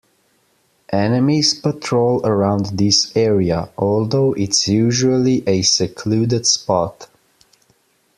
Enemies patrol around this area, although it's usually a secluded spot.